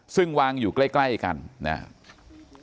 ซึ่งวางอยู่ใกล้กันนะครับ